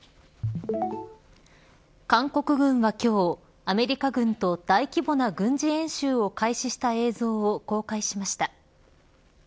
韓国軍は今日アメリカ軍と大規模な軍事演習を開始した映像を公開しました。